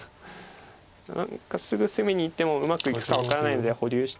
何かすぐ攻めにいってもうまくいくか分からないので保留して。